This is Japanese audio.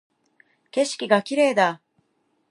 景色が綺麗だ